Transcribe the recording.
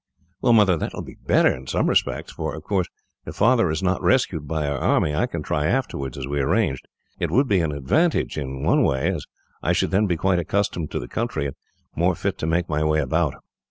"Well, Mother, that will be better, in some respects; for of course, if Father is not rescued by our army, I can try afterwards as we arranged. It would be an advantage, in one way, as I should then be quite accustomed to the country, and more fit to make my way about."